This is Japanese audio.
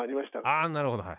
あなるほどはい。